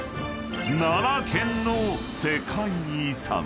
［奈良県の世界遺産］